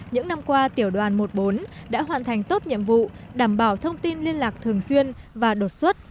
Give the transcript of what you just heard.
những năm qua tiểu đoàn một mươi bốn đã hoàn thành tốt nhiệm vụ đảm bảo thông tin liên lạc thường xuyên và đột xuất